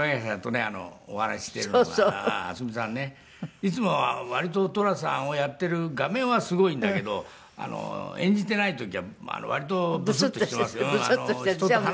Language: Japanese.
いつもは割と寅さんをやっている画面はすごいんだけど演じていない時は割とぶすっとしていますよ。